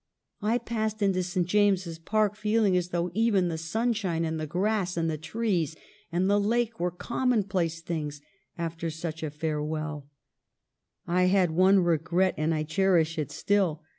I passed out into St. James's Park, feeling as though even the sunshine and the grass and the trees and the lake were commonplace things after such a fare well. I had one regret, and I cherish it still.